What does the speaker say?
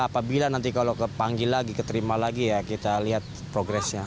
apabila nanti kalau kepanggil lagi keterima lagi ya kita lihat progresnya